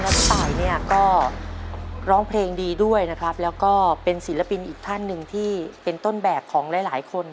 พี่ตายเนี่ยก็ร้องเพลงดีด้วยนะครับแล้วก็เป็นศิลปินอีกท่านหนึ่งที่เป็นต้นแบบของหลายหลายคน